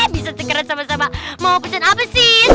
bisa tiketnya sama sama mau pesen apa sih